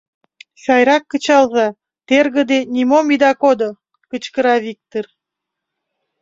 — Сайрак кычалза, тергыде, нимом ида кодо! — кычкыра Виктыр.